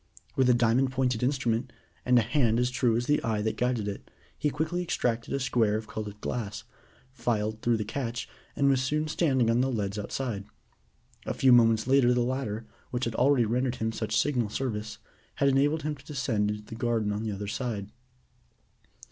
With a diamond pointed instrument, and a hand as true as the eye that guided it, he quickly extracted a square of colored glass, filed through the catch, and was soon standing on the leads outside. A few moments later, the ladder, which had already rendered him such signal service, had enabled him to descend into the garden on the other side.